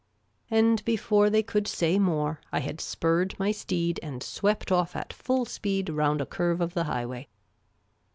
And, be fore they could say more, I had spurred my steed and swept off at full speed round a curve of the highway.